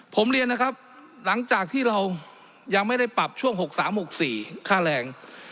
ผมเรียนนะครับหลังจากที่เรายังไม่ได้ปรับช่วง๖๓๖๔ค่าแรง